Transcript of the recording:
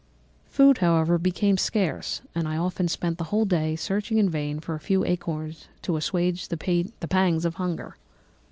"Food, however, became scarce, and I often spent the whole day searching in vain for a few acorns to assuage the pangs of hunger.